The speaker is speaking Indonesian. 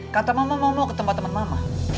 kata mama mau mau ke tempat temen mama